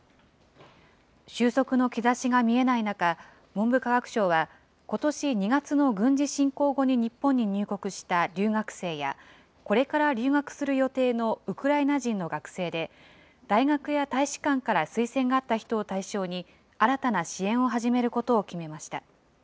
収束の兆しが見えない中、文部科学省は、ことし２月の軍事侵攻後に日本に入国した留学生や、これから留学する予定のウクライナ人の学生で、大学や大使館から推薦があった人を対象に、新たな支援を始めることを決めました。